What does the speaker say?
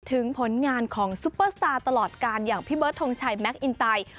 ผลงานของซุปเปอร์สตาร์ตลอดการอย่างพี่เบิร์ดทงชัยแมคอินไต